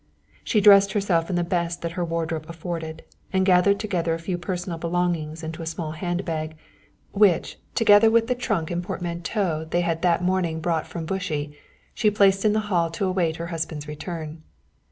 She dressed herself in the best that her wardrobe afforded and gathered together a few personal belongings into a small hand bag, which, together with the trunk and portmanteau they had that morning brought from Bushey, she placed in the hall to await her husband's return.